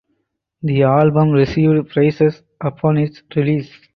The album received praise upon its release.